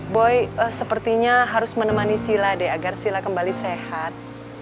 boy sepertinya harus menemani sila deh agar sila kembali sehat